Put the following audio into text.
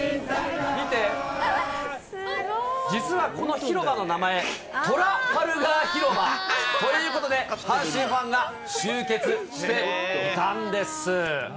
実はこの広場の名前、トラファルガー広場。ということで、阪神ファンが集結していたんです。